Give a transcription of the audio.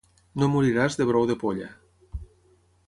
No moriràs de brou de polla.